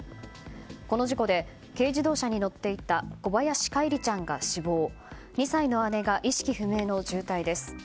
この事故で軽自動車に乗っていた小林叶一里ちゃんが死亡２歳の姉が意識不明の重体です。